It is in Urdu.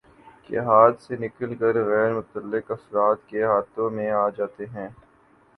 کے ہاتھ سے نکل کر غیر متعلق افراد کے ہاتھوں میں آجاتے ہیں